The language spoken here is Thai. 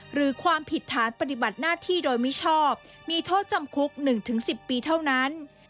หรือความผิดฐานปฏิบัติหน้าที่โดยมิชอบมีโทษจำคุก๑๑๐ปีเท่านั้น